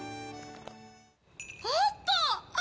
あった！